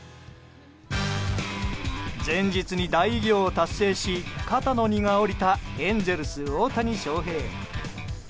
前日に大偉業を達成し肩の荷が下りたエンゼルス、大谷翔平。